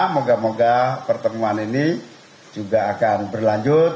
moga moga pertemuan ini juga akan berlanjut